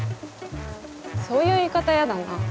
そういう言い方嫌だな。